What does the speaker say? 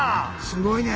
すごいね。